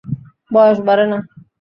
বয়স বাড়ে না।